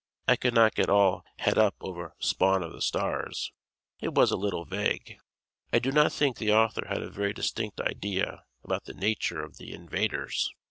I could not get all "het up" over "Spawn of the Stars," it was a little vague; I do not think the author had a very distinct idea about the nature of the invaders.